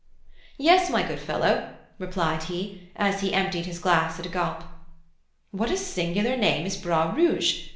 "Yes, my good fellow," replied he, as he emptied his glass at a gulp. "What a singular name is Bras Rouge!